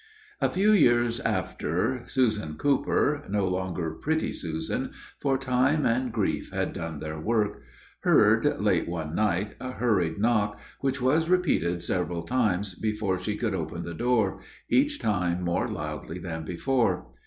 A few years after, Susan Cooper, no longer "pretty Susan," for time and grief had done their work heard, late one night, a hurried knock, which was repeated several times before she could open the door, each time more loudly than before.